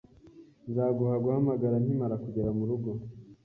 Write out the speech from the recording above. Nzaguha guhamagara nkimara kugera murugo